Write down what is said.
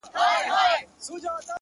دى وايي دا’